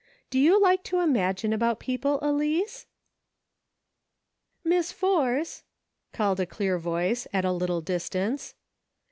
Do you like to imagine about people, Elice .•"" Miss Force !" called a clear voice, at a little distance.